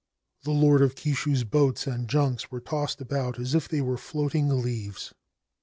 The Lord of Kishu's boats and junks were tossed about as if they were floating leaves.